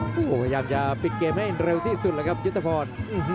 พยายามจะปิดเกมให้เร็วที่สุดเลยครับยุทธพร